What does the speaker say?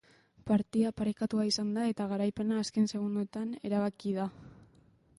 Partida parekatua izan da eta garaipena azken segundoetan erabaki da.